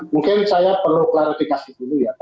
mungkin saya perlu klarifikasi dulu ya